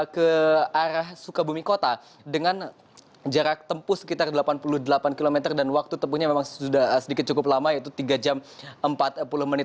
ke arah sukabumi kota dengan jarak tempuh sekitar delapan puluh delapan km dan waktu tempuhnya memang sudah sedikit cukup lama yaitu tiga jam empat puluh menit